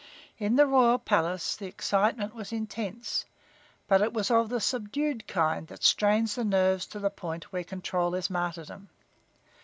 In the royal palace the excitement was intense, but it was of the subdued kind that strains the nerves to the point where control is martyrdom.